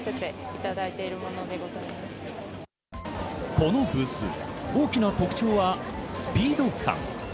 このブース、大きな特徴はスピード感。